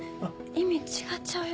意味違っちゃうよ。